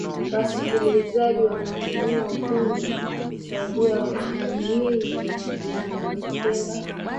wasikilizaji wanatumia ujumbe kuchagua nyimbo wanazozipenda